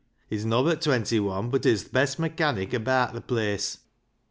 He's nobbut twenty one, but he's th' best mechanic abaat th' place."